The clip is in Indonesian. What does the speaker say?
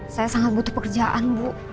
saya sangat butuh pekerjaan bu